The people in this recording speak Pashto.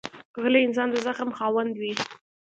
غلی انسان، د زغم خاوند وي.